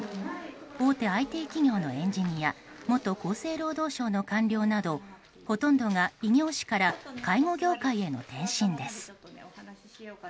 大手ＩＴ企業のエンジニア元厚生労働省の官僚などほとんどが異業種から介護業界への転身です。